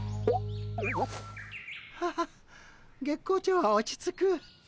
ハハ月光町は落ち着く。